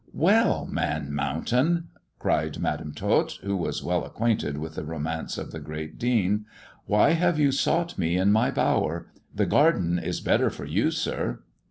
"Well, Man Mountain," cried Madam Tot, who was well acquainted with the romance of the great Dean, why have you sought me in my bower 1 The garden is better for you, sir."